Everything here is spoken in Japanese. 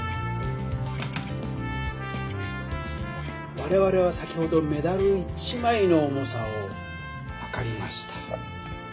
われわれは先ほどメダル１枚の重さをはかりました。